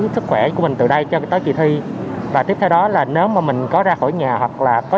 sức khỏe của mình từ đây cho tới kỳ thi và tiếp theo đó là nếu mà mình có ra khỏi nhà hoặc là có